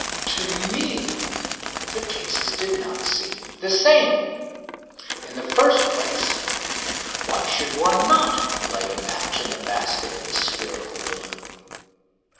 To me the cases did not seem the same. In the first place, why should one not light a match in the basket of a spherical balloon?